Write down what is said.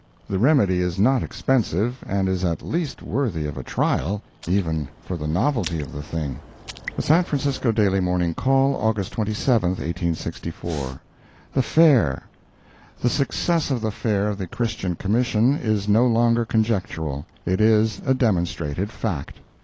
The remedy is not expensive, and is at least worthy of a trial, even for the novelty of the thing. The San Francisco Daily Morning Call, August 27, 1864 THE FAIR The success of the Fair of the Christian Commission is no longer conjectural—it is a demonstrated fact.